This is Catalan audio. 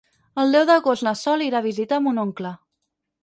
El deu d'agost na Sol irà a visitar mon oncle.